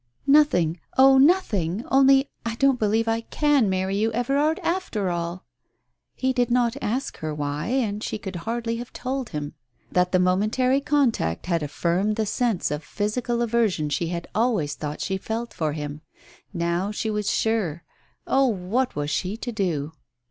"Nothing, oh, nothing 1 Only, I don't believe I can marry you, Everard, after all I " He did not ask her why, and she could hardly have told him that the momentary contact had affirmed the Digitized by Google 24 TALES OF THE UNEASY sense of physical aversion she had always thought she felt for him. Now she was sure. Oh, what was she to do